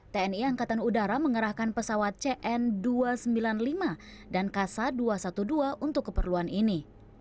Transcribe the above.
tni angkatan udara mengerahkan pesawat cn dua ratus sembilan puluh lima dan kasa dua ratus dua belas untuk keperluan ini